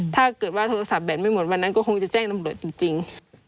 ถ้าเกิดว่าโทรศัพท์แนนไม่หมดวันนั้นก็คงจะแจ้งตำรวจจริง